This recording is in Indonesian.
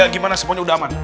gimana semuanya udah aman